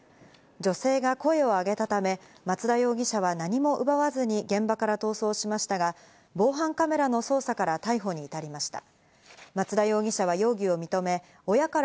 女性が声を上げたため、松田容疑者は何も奪わずに現場から逃走しましたが、防犯カメラの捜査から逮捕に至りました。